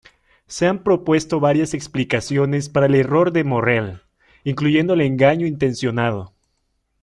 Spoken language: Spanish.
Se han propuesto varias explicaciones para el error de Morrell, incluyendo el engaño intencionado.